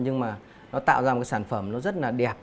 nhưng mà nó tạo ra một sản phẩm nó rất là đẹp